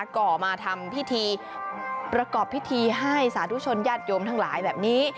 ก่อมาทำพิธีประกอบพิธีให้สาธุชนญาติโยมทั้งหลายแบบนี้